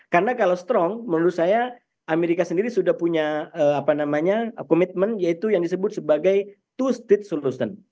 karena kalau strong menurut saya amerika sendiri sudah punya komitmen yaitu yang disebut sebagai two state solution